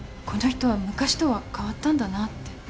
この人は昔とは変わったんだなって。